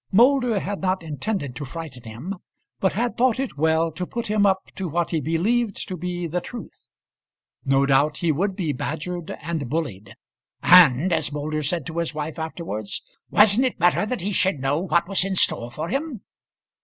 Moulder had not intended to frighten him, but had thought it well to put him up to what he believed to be the truth. No doubt he would be badgered and bullied. "And," as Moulder said to his wife afterwards, "wasn't it better that he should know what was in store for him?"